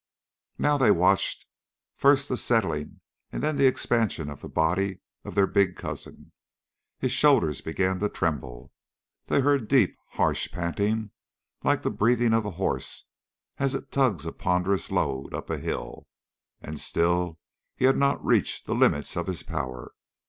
Now they watched first the settling and then the expansion of the body of their big cousin. His shoulders began to tremble; they heard deep, harsh panting like the breathing of a horse as it tugs a ponderous load up a hill, and still he had not reached the limit of his power.